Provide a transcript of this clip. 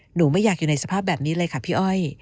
หนูไม่อยากอยู่ในสภาพแบบนี้เลยค่ะพี่อ้อย